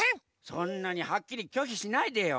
そんなにはっきりきょひしないでよ。